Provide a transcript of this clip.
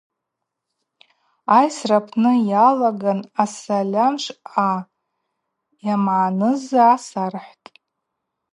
Айсра апны йгӏалаган асальамшвъа йамагӏныз гӏасархӏвтӏ.